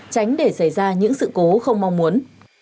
tránh để xảy ra những sự cố không mong muốn